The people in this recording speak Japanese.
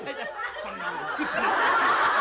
こんなもん作って。